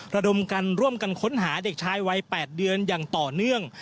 ระดมกันร่วมกันค้นหาเด็กชายวัย๘เดือนอย่างต่อเนื่อง